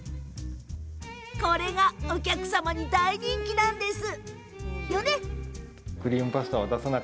これがお客様に大人気なんです。